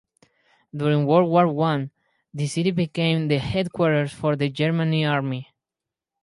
During World War One, the city became the headquarters for the German army.